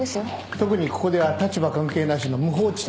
特にここでは立場関係なしの無法地帯。